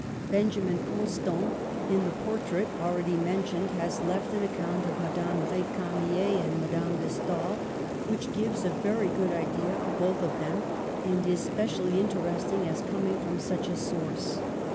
Benjamin Constant, in the "portrait" already mentioned, has left an account of Madame Ricamier and Madame de Stael, which gives a very good idea of both of them, and is specially interesting as coming from such a source.